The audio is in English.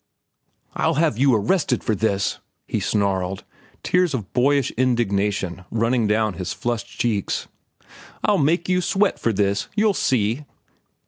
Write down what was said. "I'll have you arrested for this," he snarled, tears of boyish indignation running down his flushed cheeks. "I'll make you sweat for this. You'll see."